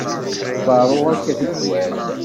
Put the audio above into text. Tḍerru akka tikkwal.